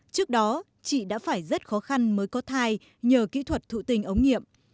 trước đó chị đã phải rất khó khăn mới có thai nhờ kỹ thuật thụ tinh ống nghiệm